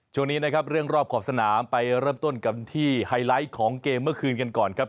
ช่วงนี้นะครับเรื่องรอบขอบสนามไปเริ่มต้นกันที่ไฮไลท์ของเกมเมื่อคืนกันก่อนครับ